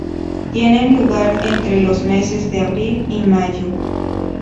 Tienen lugar entre los meses de abril y mayo.